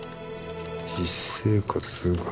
実生活が